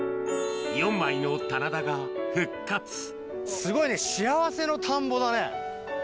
すごいね、幸せの田んぼだね。